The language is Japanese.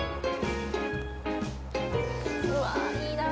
うわ、いいな。